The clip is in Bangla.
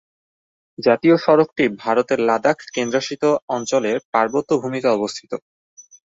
জাতীয় সড়কটি ভারতের লাদাখ কেন্দ্রশাসিত অঞ্চলের পার্বত্য ভূমিতে অবস্থিত।